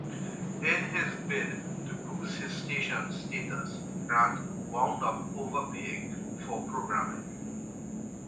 In his bid to boost his stations' status, Grant wound up overpaying for programming.